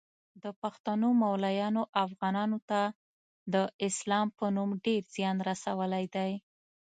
د پښتنو مولایانو افغانانو ته د اسلام په نوم ډیر ځیان رسولی دی